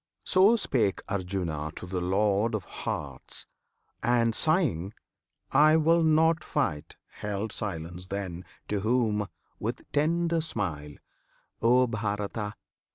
So spake Arjuna to the Lord of Hearts, And sighing,"I will not fight!" held silence then. To whom, with tender smile, (O Bharata!